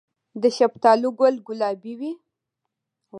د شفتالو ګل ګلابي وي؟